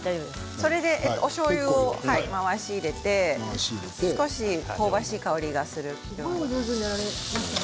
しょうゆを回し入れて少し香ばしい香りがするように。